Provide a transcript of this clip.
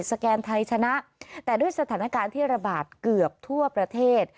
แกนไทยชนะแต่ด้วยสถานการณ์ที่ระบาดเกือบทั่วประเทศ